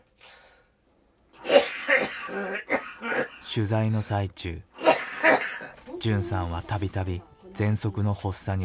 取材の最中純さんは度々ぜんそくの発作に襲われた。